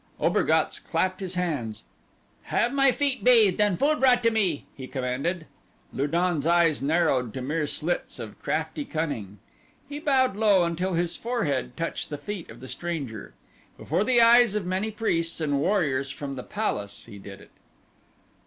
Obergatz clapped his hands. "Have my feet bathed and food brought to me," he commanded. Lu don's eyes narrowed to mere slits of crafty cunning. He bowed low until his forehead touched the feet of the stranger. Before the eyes of many priests, and warriors from the palace he did it.